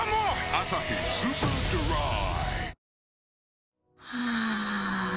「アサヒスーパードライ」